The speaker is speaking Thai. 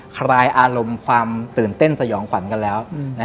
คลายอารมณ์ความตื่นเต้นสยองขวัญกันแล้ว